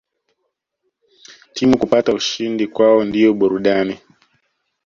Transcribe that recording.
Timu kupata ushindi kwao ndio burudani